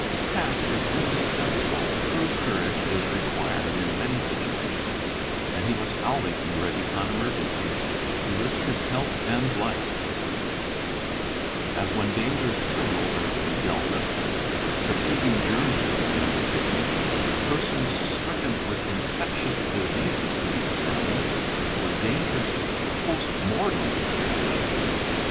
'Tact is indispensable, true courage is required in many _ situations, and he must be always ready on emergency to risk his health and life; as when dangerous criminals are to be dealt with, fatiguing journeys to be undertaken, persons stricken with infectious diseases to be examined, or dangerous post mortems attended.